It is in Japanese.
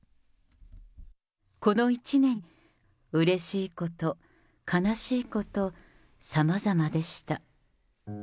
この１年、うれしいこと、悲しいこと、さまざまでした。